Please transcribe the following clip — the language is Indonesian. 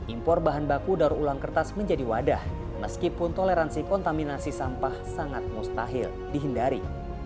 impor bahan baku daru ulang kertas menjadi wadah meskipun toleransi kontaminasi sampah sangat mustahil dihindari